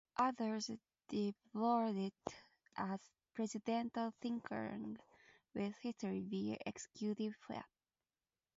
Others deplored it as presidential tinkering with history via executive fiat.